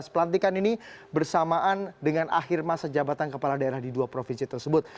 pelantikan ini bersamaan dengan akhir masa jabatan kepala daerah di dua provinsi tersebut